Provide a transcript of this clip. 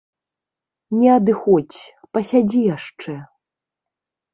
Не адыходзь, пасядзі яшчэ.